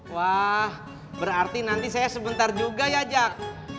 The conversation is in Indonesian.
wah berarti nanti saya sebentar juga ya jak